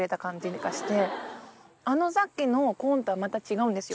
あのさっきのコーンとはまた違うんですよ。